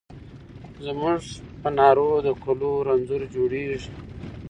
زموږ په ناړو د کلو رنځور جوړیږي